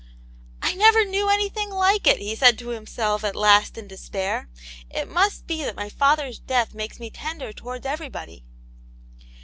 .Q " I never knew anything like it !" he said to him ? self at last in despair. " It must be that my father's death makes me tender towards everybody."